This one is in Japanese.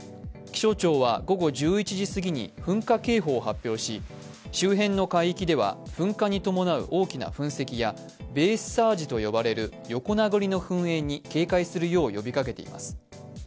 気象庁は午後１１時すぎに噴火警報を発表し、周辺の海域では噴火に伴う大きな噴石や、ベースサージと呼ばれる横殴りの噴煙に警戒するよう呼びかけています。